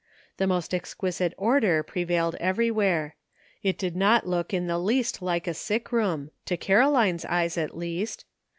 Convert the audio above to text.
The most exquisite order prevailed everywhere ; it did not look in the least like a sick room, to Caroline's eyes, at least.